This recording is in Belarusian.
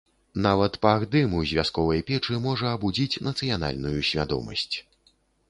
Нават пах дыму з вясковай печы можа абудзіць нацыянальную свядомасць.